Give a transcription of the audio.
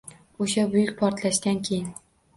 O’sha buyuk portlashdan keyin